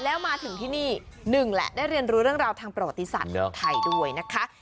แล้วมาถึงที่นี่หนึ่งแหละได้เรียนรู้เรื่องราวทางประวัติศาสตร์เมืองไทยด้วยนะคะ